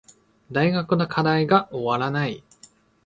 大学の課題が終わらない